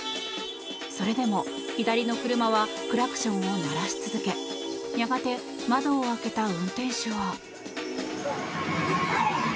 それでも左の車はクラクションを鳴らし続けやがて、窓を開けた運転手は。